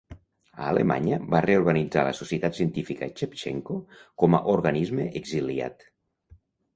A Alemanya, va reorganitzar la Societat Científica Xevtxenko com a organisme exiliat.